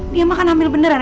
dia makan hamil beneran